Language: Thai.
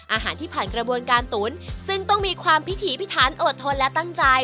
อาหารที่ผ่านกระบวนการตุ๋นซึ่งต้องมีความพิถีพิธานอดทนและตั้งใจ